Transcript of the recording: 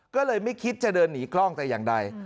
ก็เลยไม่คิดจะเดินหนีกล้องแต่อย่างใด